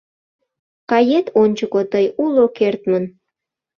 Кает ончыко тый уло кертмын.